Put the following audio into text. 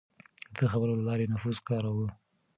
ده د خبرو له لارې نفوذ کاراوه.